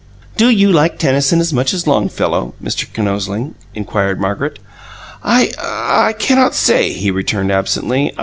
"Do you like Tennyson as much as Longfellow, Mr. Kinosling?" inquired Margaret. "I ah I cannot say," he returned absently.